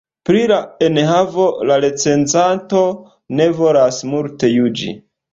Pri la enhavo la recenzanto ne volas multe juĝi.